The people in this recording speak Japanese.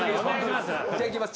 じゃいきます。